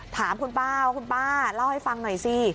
ถามคุณป้าคุณป้าเล่าให้ฟังหน่อยสิ